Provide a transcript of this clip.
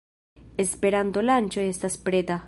Esperanto-lanĉo estas preta